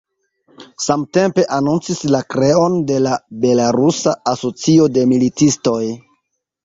Samtempe anoncis la kreon de la belarusa asocio de militistoj.